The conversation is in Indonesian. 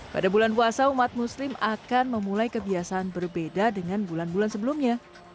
pada bulan puasa umat muslim akan memulai kebiasaan berbeda dengan bulan bulan sebelumnya